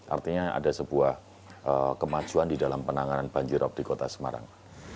artinya ada sebuah kemajuan di dalam penanganan banjirop di kota semarang